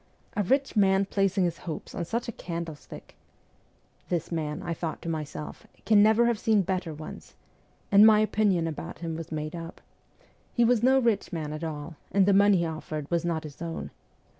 ' A rich man placing his hopes on such a candlestick ! This man,' I thought to myself, ' can never have seen better ones,' and my opinion about him was made up :' He was no rich man at all, and the money he offered was not his own.'